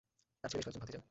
তার ছিল বেশ কয়েকজন ভাতিজা।